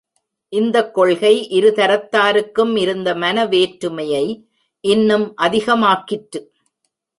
இந்தக் கொள்கை இருதரத்தாருக்கும் இருந்த மன வேற்றுமையை இன்னும் அதிகமாக்கிற்று.